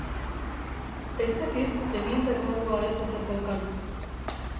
Ez dakit teniente gradua ez ote zeukan.